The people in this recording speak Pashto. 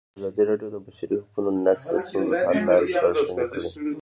ازادي راډیو د د بشري حقونو نقض د ستونزو حل لارې سپارښتنې کړي.